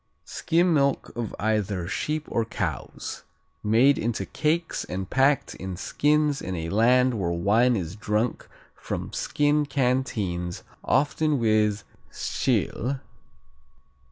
Skim milk of either sheep or cows. Made into cakes and packed in skins in a land where wine is drunk from skin canteens, often with Tschil.